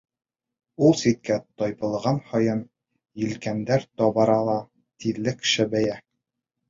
Ул ситкә тайпылған һайын елкәндәр ҡабара ла тиҙлек шәбәйә.